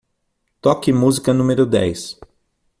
Toque música número dez.